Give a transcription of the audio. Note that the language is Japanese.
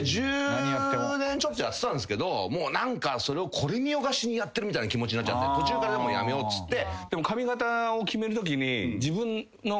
１０年ちょっとやってたんすけどそれをこれみよがしにやってるみたいな気持ちになっちゃって途中からもうやめようっつって。